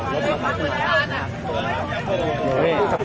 ก็ไม่มีอัศวินทรีย์ขึ้นมา